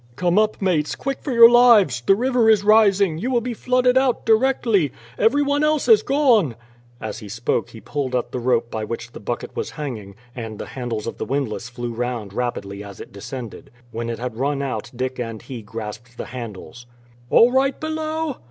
"Come up, mates; quick, for your lives! The river is rising; you will be flooded out directly. Everyone else has gone!" As he spoke he pulled at the rope by which the bucket was hanging, and the handles of the windlass flew round rapidly as it descended. When it had run out Dick and he grasped the handles. "All right below?"